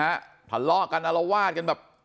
ผ่านลอกกันอลาวาทกันแบบ